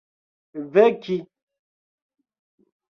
veki